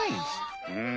うん。